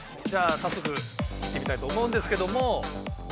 じゃあ早速いってみたいと思うんですけども。